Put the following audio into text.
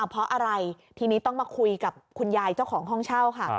เพราะอะไรทีนี้ต้องมาคุยกับคุณยายเจ้าของห้องเช่าค่ะ